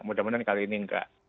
mudah mudahan kali ini enggak